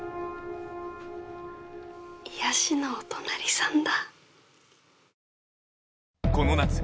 癒やしのお隣さんだ。